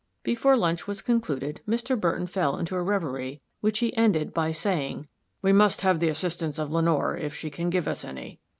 Before lunch was concluded, Mr. Burton fell into a reverie, which he ended by saying, "We must have the assistance of Lenore, if she can give us any."